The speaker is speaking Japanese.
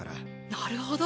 なるほど。